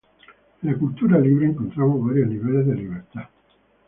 En la cultura libre encontramos varios niveles de libertad.